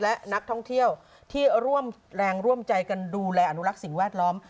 และนักท่องเที่ยวที่ร่วมแรงร่วมใจกันดูแลอนุรักษ์สิ่งแวดล้อม